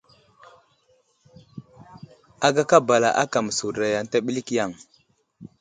Agaka bala ákà məsuɗəraya ənta ɓəlik yaŋ.